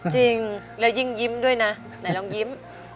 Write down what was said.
จริงแล้วยิ่งยิ้มด้วยนะไหนลองยิ้ม